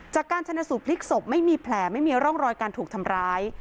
จากการชนะสูตรพลิกศพไม่มีแผลไม่มีร่องรอยการถูกทำร้าย